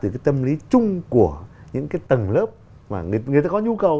thì cái tâm lý chung của những cái tầng lớp mà người ta có nhu cầu